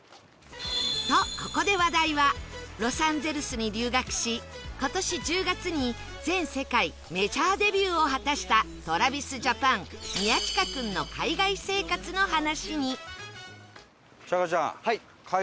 とここで話題はロサンゼルスに留学し今年１０月に全世界メジャーデビューを果たした ＴｒａｖｉｓＪａｐａｎ 宮近君の海外生活の話に